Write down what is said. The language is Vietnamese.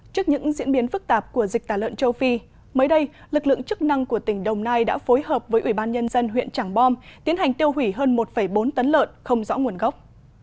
trước những diễn biến phức tạp của dịch tả lợn châu phi mới đây lực lượng chức năng của tỉnh đồng nai đã phối hợp với ủy ban nhân dân huyện trảng bom tiến hành tiêu hủy hơn một bốn tấn lợn không rõ nguồn gốc